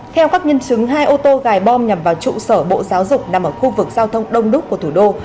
theo các nhân chứng hai ô tô gài bom nhằm vào trụ sở bộ giáo dục nằm ở khu vực giao thông đông đúc của thủ đô